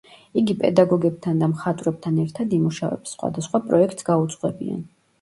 იგი პედაგოგებთან და მხატვრებთან ერთად იმუშავებს, სხვადასხვა პროექტს გაუძღვებიან.